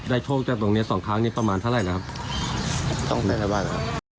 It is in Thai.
โชคจากตรงเนี้ยสองครั้งนี้ประมาณเท่าไหร่นะครับต้องได้อะไรบ้างครับ